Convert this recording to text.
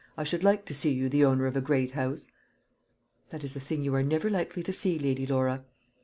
I should like to see you the owner of a great house." "That is a thing you are never likely to see, Lady Laura."